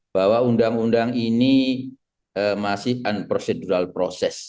bahwa undang undang ini masih unprocedural process